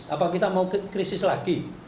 apa kita mau krisis lagi